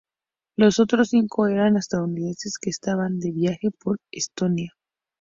Los otros cinco eran estadounidenses que estaban de viaje por Estonia.